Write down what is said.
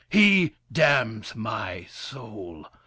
He damns my soul!